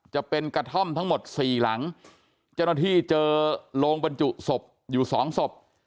จะเป็นกระท่อมทั้งหมดสี่หลังเจ้าหน้าที่เจอโรงบรรจุศพอยู่สองศพ